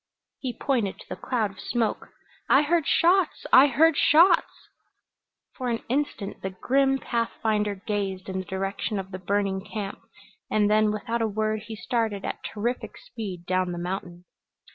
He pointed to the cloud of smoke. "I heard shots I heard shots " For an instant the grim pathfinder gazed in the direction of the burning camp, and then without a word he started at terrific speed down the mountain.